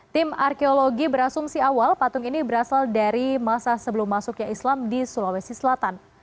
tim arkeologi berasumsi awal patung ini berasal dari masa sebelum masuknya islam di sulawesi selatan